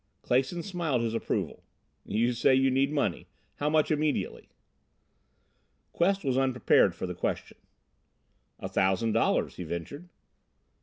Clason smiled his approval. "You say you need money. How much immediately?" Quest was unprepared for the question. "A thousand dollars," he ventured.